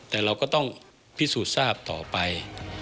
แต่เราก็ต้องพิสูจน์ทราบต่อไป